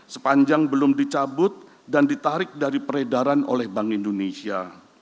sepanjang belum dicabut dan ditarik dari peredaran oleh bank indonesia